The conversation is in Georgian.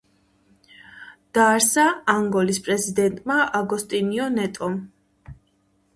დააარსა ანგოლის პრეზიდენტმა აგოსტინიო ნეტომ.